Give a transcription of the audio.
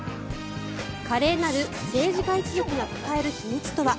華麗なる政治家一族が抱える秘密とは？